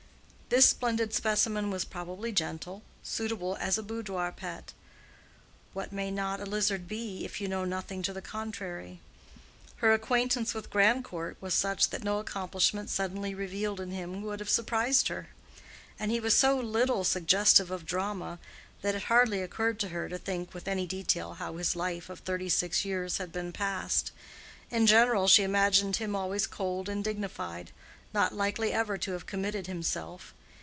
This splendid specimen was probably gentle, suitable as a boudoir pet: what may not a lizard be, if you know nothing to the contrary? Her acquaintance with Grandcourt was such that no accomplishment suddenly revealed in him would have surprised her. And he was so little suggestive of drama, that it hardly occurred to her to think with any detail how his life of thirty six years had been passed: in general, she imagined him always cold and dignified, not likely ever to have committed himself.